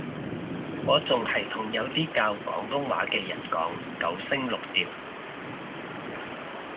我仲係同有啲教廣東話嘅人講九聲六調